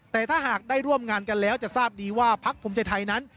แต่ถ้าหากได้ร่วมงานกันแล้วจะทราบดีว่าพักภูมิใจไทยนั้น